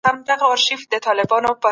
بازار کې لاسي صنایع هم پلورل کېږي.